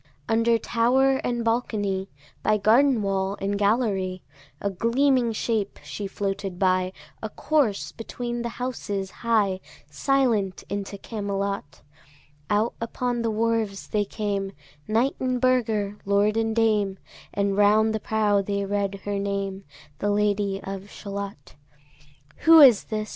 Under tower and balcony, By garden wall and gallery, A gleaming shape she floated by, A corse between the houses high, Silent into Camelot. Out upon the wharfs they came, Knight and burgher, lord and dame, And round the prow they read her name, The Lady of Shalott. Who is this?